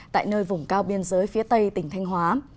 tại nơi vùng cao biên giới phía tây tỉnh thanh hóa